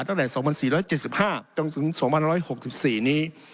ตั้งแต่๒๔๗๕จนถึง๒๑๖๔นี้